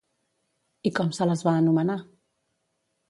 I com se les va anomenar?